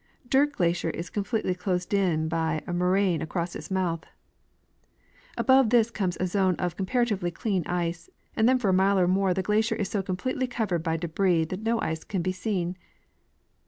Dirt glacier is completely closed in by a moraine across its mouth. Above this comes a zone of comparatively clean ice, and then for a mile or more the glacier is so completely covered by debris that no ice can be seen.